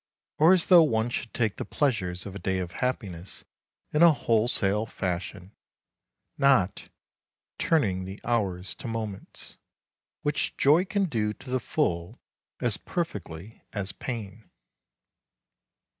Or as though one should take the pleasures of a day of happiness in a wholesale fashion, not "turning the hours to moments," which joy can do to the full as perfectly as pain.